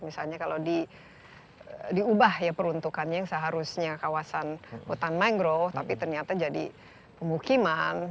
misalnya kalau diubah ya peruntukannya yang seharusnya kawasan hutan mangrove tapi ternyata jadi pemukiman